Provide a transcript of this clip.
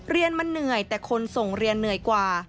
เรียนมันเหนื่อยแต่คนส่งเรียนเหนื่อยกว่า